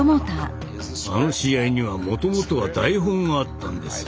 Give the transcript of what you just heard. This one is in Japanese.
あの試合にはもともとは台本があったんです。